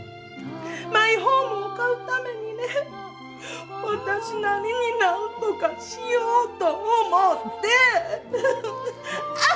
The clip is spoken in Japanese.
マイホームを買うためにね、私なりになんとかしようと思って。